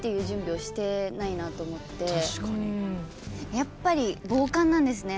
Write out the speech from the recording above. やっぱり防寒なんですね。